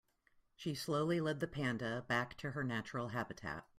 She slowly led the panda back to her natural habitat.